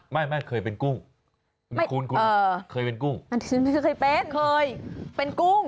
ไม่เคยเป็นกุ้งคุณคุณเคยเป็นกุ้งไม่เคยเป็นเคยเป็นกุ้ง